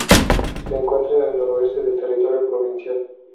Se encuentra en el noroeste del territorio provincial.